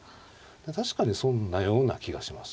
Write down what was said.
確かに損なような気がします。